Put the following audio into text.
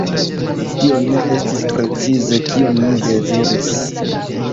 Tio ne estis precize, kion mi deziris.